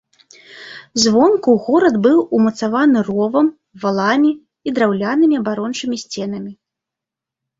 Звонку горад быў умацаваны ровам, валамі і драўлянымі абарончымі сценамі.